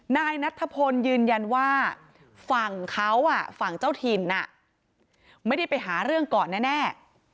นายนัทธพลยืนยันว่าฝั่งเขาฝั่งเจ้าถิ่นไม่ได้ไปหาเรื่องก่อนแน่